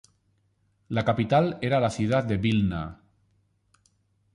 La capital era la ciudad de Vilna.